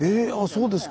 そうですか。